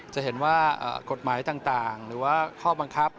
จะเห็นว่ากฎหมายต่างหรือว่าข้อบังคับ